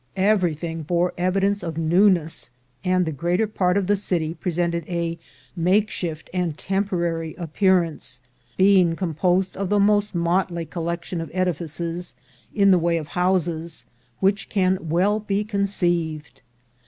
Everything bore evidence of newness, and the greater part of the city presented a makeshift and temporary appearance, being composed of the most motley collection of edifices, in the way of houses, which can well be conceived.